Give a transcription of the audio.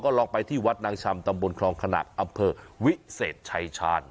ลองไปที่วัดนางชำตำบลคลองขหนักอำเภอวิเศษชายชาญ